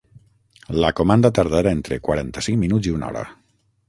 La comanda tardarà entre quaranta-cinc minuts i una hora.